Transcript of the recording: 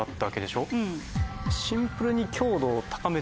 シンプルに。